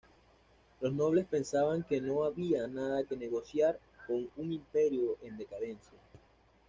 Los nobles pensaban que no había nada que negociar con un imperio en decadencia.